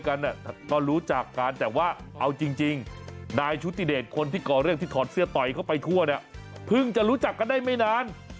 ใครเข้าไปทั่วเนี่ยเพิ่งจะรู้จักกันได้ไม่นาน